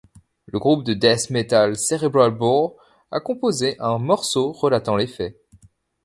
Le groupe de Death Metal Cerebral Bore a composé un morceau relatant les faits.